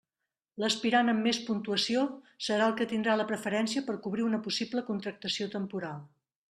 L'aspirant amb més puntuació serà el que tindrà la preferència per cobrir una possible contractació temporal.